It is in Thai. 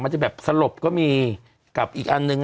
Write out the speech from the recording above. จะแบบสลบก็มีกับอีกอันนึง